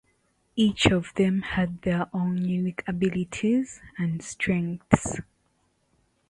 Each of them had their own unique abilities and strengths.